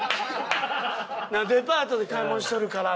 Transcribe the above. デパートで買い物しとるからみたいな。